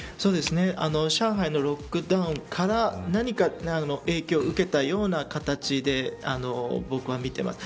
上海のロックダウンから何か影響を受けたような形で僕は見てます。